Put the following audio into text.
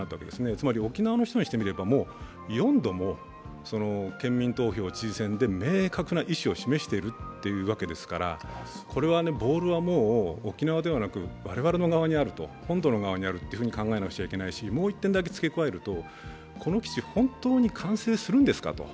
つまり沖縄の人にしてみればもう４度も県民投票、知事選で明確な意思を示しているっていうわけですから、これはボールはもう沖縄ではなく我々の側、本土の側にあると考えなくてはいけないしもう１点だけ付け加えると、この基地、本当に完成するんですかと。